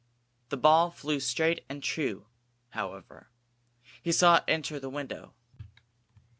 The ball flew straight and true, however. He saw it enter the window.